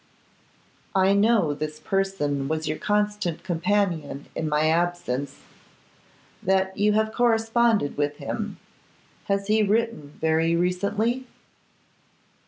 'I know this person was your constant companion in my absence; that you have corresponded with him. Has he written very recently?